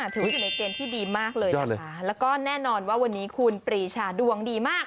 ถือว่าอยู่ในเกณฑ์ที่ดีมากเลยนะคะแล้วก็แน่นอนว่าวันนี้คุณปรีชาดวงดีมาก